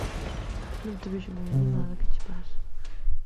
Non te vexo moi animada. ¿Que che pasa?